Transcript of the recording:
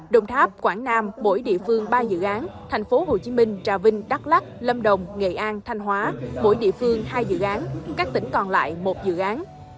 đồng tháp quảng nam mỗi địa phương ba dự án tp hcm trà vinh đắk lắc lâm đồng nghệ an thanh hóa mỗi địa phương hai dự án các tỉnh còn lại một dự án